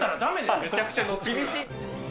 めちゃくちゃ乗ってます。